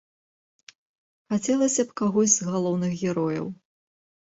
Хацелася б кагось з галоўных герояў.